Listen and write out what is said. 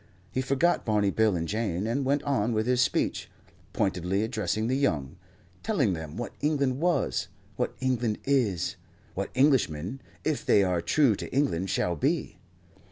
He forgot Barney Bill and Jane, and went on with his speech, pointedly addressing the young, telling them what England was, what England is, what Englishmen, if they are true to England, shall be.